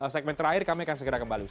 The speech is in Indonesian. segmen terakhir kami akan segera kembali